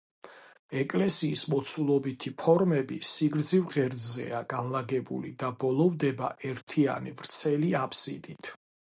ეკლესიის მოცულობითი ფორმები სიგრძივ ღერძზეა განლაგებული და ბოლოვდება ერთიანი ვრცელი აბსიდით.